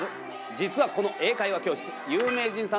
実はこの英会話教室有名人さんの。